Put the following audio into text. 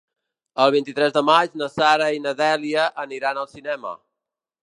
El vint-i-tres de maig na Sara i na Dèlia aniran al cinema.